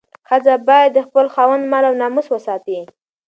ښځه باید د خپل خاوند مال او ناموس وساتي.